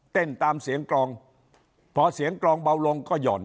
ตามเสียงกรองพอเสียงกรองเบาลงก็หย่อน